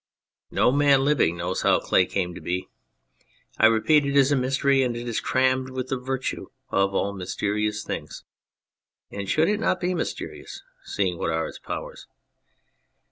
No man living knows how clay came to be. I repeat it is a mystery and is crammed with the virtue of all mysterious things. And should it not be mysterious, seeing what are its powers